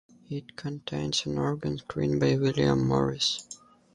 It contains an organ screen by William Morris.